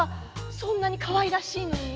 そんなにかわいらしいのに？